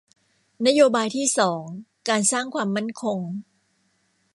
นโยบายที่สองการสร้างความมั่นคง